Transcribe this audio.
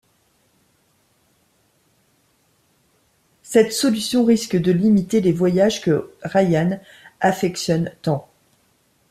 Cette solution risque de limiter les voyages que Ryan affectionne tant.